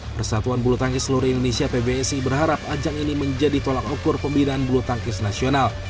persatuan bulu tangkis seluruh indonesia pbsi berharap ajang ini menjadi tolak ukur pembinaan bulu tangkis nasional